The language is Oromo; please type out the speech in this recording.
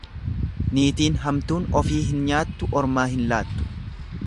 Niitiin hamtuun ofii hin nyaattu ormaa hin laattu.